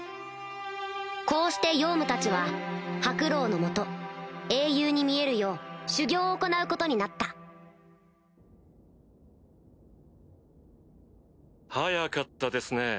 こうしてヨウムたちはハクロウの下英雄に見えるよう修業を行うことになった早かったですね。